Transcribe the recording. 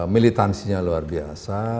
militansinya luar biasa